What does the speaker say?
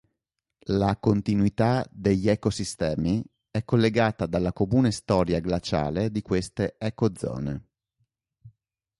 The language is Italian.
La continuità degli ecosistemi è collegata dalla comune storia glaciale di queste ecozone.